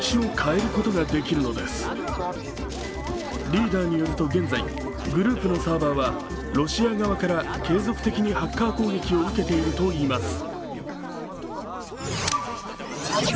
リーダーによると現在、グループのサーバーはロシア側から継続的にハッカー攻撃を受けているといいます。